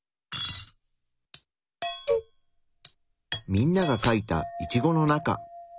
みんながかいたイチゴの中。